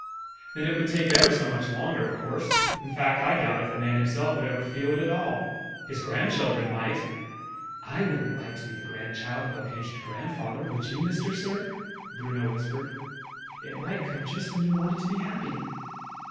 "Then it would take ever so much longer, of course. In fact, I doubt if the man himself would ever feel it, at all. His grandchildren might." "I wouldn't like to be the grandchild of a pinched grandfather, would you, Mister Sir?" Bruno whispered. "It might come just when you wanted to be happy!"